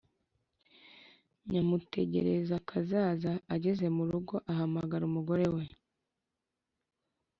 nyamutegerakazaza ageze mu rugo ahamagara umugore we,